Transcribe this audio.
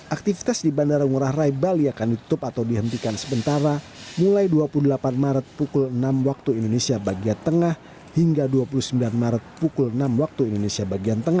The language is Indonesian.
aktivitas di bandara ngurah rai bali akan ditutup atau dihentikan sementara mulai dua puluh delapan maret pukul enam wib hingga dua puluh sembilan maret pukul enam wib